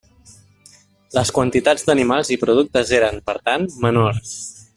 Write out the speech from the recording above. Les quantitats d'animals i productes eren, per tant, menors.